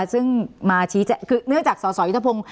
ซึ่งมาชี้แจงคือเนื่องจากสสยุทธพงศ์